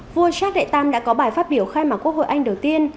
vua charles viii đã có bài phát biểu khai mạng quốc hội anh đầu tiên